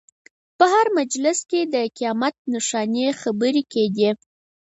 په هر مجلس کې د قیامت نښانې خبرې کېدې.